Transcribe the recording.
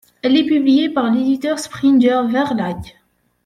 Elle est publiée par l'éditeur Springer-Verlag.